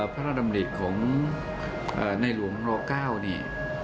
พระดำริของในหลวงร๙นี่